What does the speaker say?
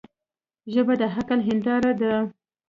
ژبه د عقل هنداره ده